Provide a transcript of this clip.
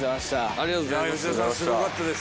ありがとうございます。